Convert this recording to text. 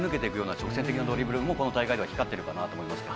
直線的なドリブルもこの大会では光っているかなと思います。